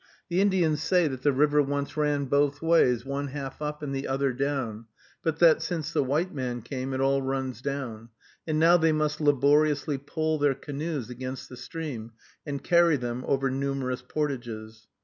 The Indians say that the river once ran both ways, one half up and the other down, but that, since the white man came, it all runs down, and now they must laboriously pole their canoes against the stream, and carry them over numerous portages.